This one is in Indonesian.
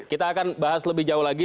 kita akan bahas lebih jauh lagi